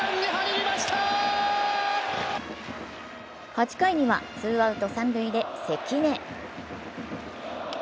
８回にはツーアウト三塁で関根。